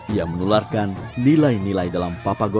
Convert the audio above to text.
ia menularkan nilai nilai dalam papagon kepanjaluan